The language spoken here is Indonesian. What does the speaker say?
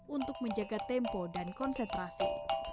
untuk menjaga tempo dan konsentrasi